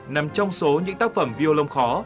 nằm trong số những tác phẩm violon khó